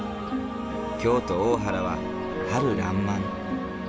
京都・大原は春らんまん。